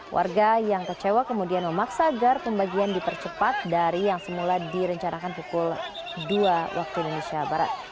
warga yang kecewa kemudian memaksa agar pembagian dipercepat dari yang semula direncanakan pukul dua waktu indonesia barat